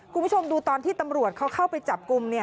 คุณผู้ชมดูตอนที่ตำรวจเขาเข้าไปจับกลุ่ม